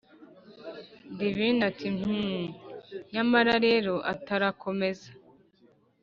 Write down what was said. divine ati: hhhm! nyamara rero……. atarakomeza,